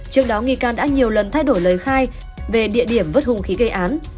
trước đó nghị can đã nhiều lần thay đổi lời khai về địa điểm vất hùng khí gây án